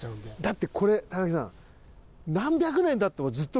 だってこれ貴明さん